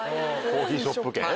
コーヒーショップ券？